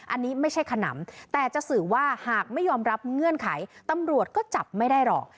อันนี้ไม่ใช่ขนำแต่จะสื่อว่าหากไม่ยอมรับเงื่อนไขตำรวจก็จับไม่ได้หรอก